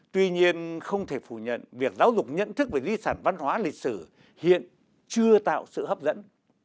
tuy nhiên không thể phủ nhận việc giáo dục nhận thức về di sản văn hóa lịch sử hiện chưa tạo sự hấp dẫn